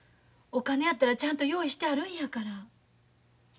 お金やったらちゃんと用意してあるんやから。